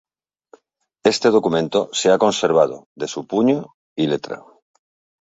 Este documento se ha conservado, de su puño y letra.